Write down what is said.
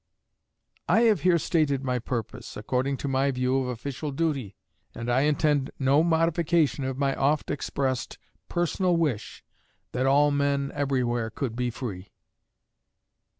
I have here stated my purpose, according to my view of official duty, and I intend no modification of my oft expressed personal wish that all men everywhere could be free.